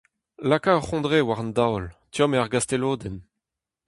Laka ur c'hondre war an daol, tomm eo ar gastelodenn.